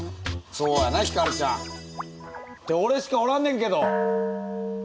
そうやなヒカルちゃん。って俺しかおらんねんけど！